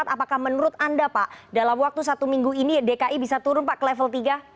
apakah menurut anda pak dalam waktu satu minggu ini dki bisa turun pak ke level tiga